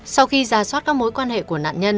sau khi giả soát các mối quan hệ của nạn nhân